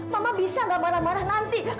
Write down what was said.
mama bisa nggak marah marah nanti